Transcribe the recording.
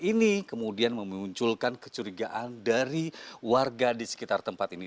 ini kemudian memunculkan kecurigaan dari warga di sekitar tempat ini